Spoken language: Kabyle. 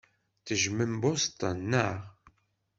Tejjmem Boston, naɣ?